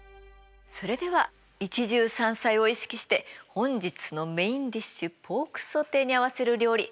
それでは一汁三菜を意識して本日のメインディッシュポークソテーに合わせる料理